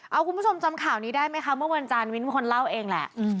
เอาคุณผู้ชมจำข่าวนี้ได้ไหมคะเมื่อวันจานวินเป็นคนเล่าเองแหละ